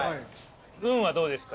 運はどうですか？